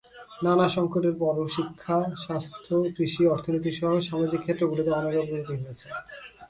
নানা সংকটের পরও শিক্ষা, স্বাস্থ্য, কৃষি, অর্থনীতিসহ সামাজিক ক্ষেত্রগুলোতে অনেক অগ্রগতি হয়েছে।